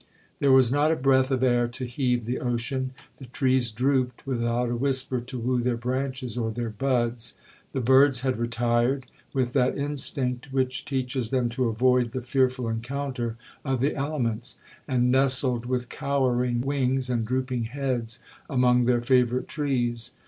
There was not a breath of air to heave the ocean,—the trees drooped without a whisper to woo their branches or their buds,—the birds had retired, with that instinct which teaches them to avoid the fearful encounter of the elements, and nestled with cowering wings and drooping heads among their favourite trees.